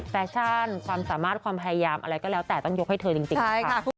แฟชั่นความสามารถความพยายามอะไรก็แล้วแต่ต้องยกให้เธอจริงนะคะ